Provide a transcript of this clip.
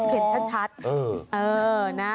เห็นชัดเออนะ